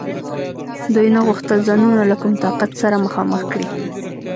دوی نه غوښتل ځانونه له کوم طاقت سره مخامخ کړي.